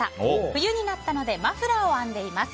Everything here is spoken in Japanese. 冬になったのでマフラーを編んでいます。